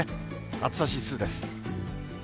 暑さ指数です。